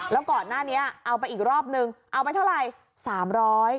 แล้วก่อนหน้านี้เอาไปอีกรอบนึงเอาไปเท่าไหร่๓๐๐บาท